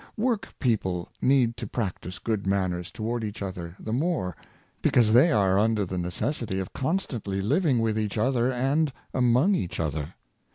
Work people need to practice good manners toward each other the more, because they are under the neces sity of constantly living with each other and among each other.